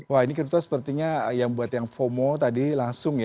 wah ini crypto sepertinya yang buat yang fomo tadi langsung ya